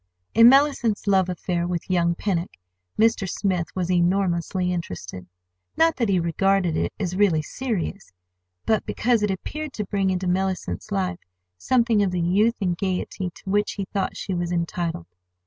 In Mellicent's love affair with young Pennock Mr. Smith was enormously interested. Not that he regarded it as really serious, but because it appeared to bring into Mellicent's life something of the youth and gayety to which he thought she was entitled.